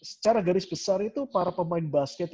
secara garis besar itu para pemain basket